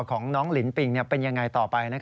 ของน้องลินปิงเป็นยังไงต่อไป